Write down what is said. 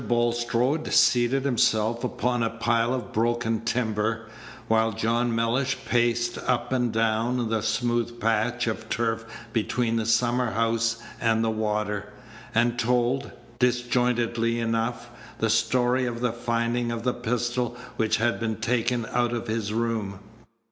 Bulstrode seated himself upon a pile of broken timber, while John Mellish paced up and down the smooth patch of turf between the summer house and the water, and told, disjointedly enough, the story of the finding of the pistol which had been taken out of his room.